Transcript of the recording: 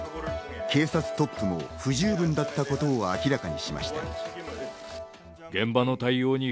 警察トップの不十分だったことを明らかにしました。